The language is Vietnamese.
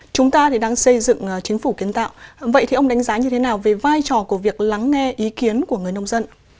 chúng ta đang xây dựng chính phủ kiến tạo vậy thì ông đánh giá như thế nào về vai trò của việc lắng nghe ý kiến của người nông dân